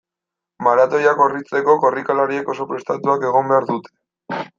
Maratoia korritzeko, korrikalariek oso prestatuak egon behar dute.